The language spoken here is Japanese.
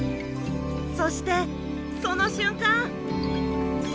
そしてその瞬間。